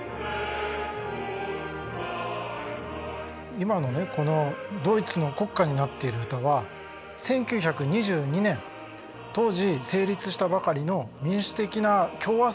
今のねこのドイツの国歌になっている歌は１９２２年当時成立したばかりの民主的な共和政